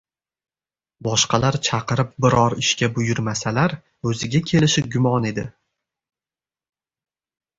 Boshqalar chaqirib biror ishga buyurmasalar, o‘ziga kelishi gumon edi